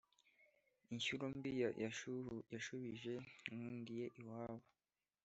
Inshyuro mbi yashubije Nkundiye iwabo.